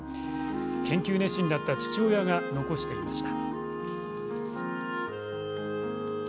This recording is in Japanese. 研究熱心だった父親が残していました。